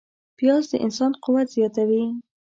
پیاز د انسان قوت زیاتوي